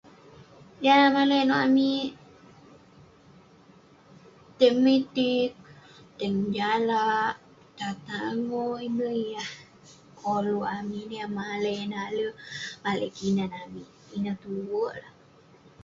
Yah malai nouk amik..tai memitik, tai ngejalak, pitah tangoh ineh yah..koluk amik..ineh yah malai nalek..malai kinan amik.ineh tuerk..